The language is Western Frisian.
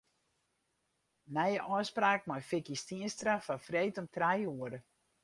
Nije ôfspraak mei Vicky Stienstra foar freed om trije oere.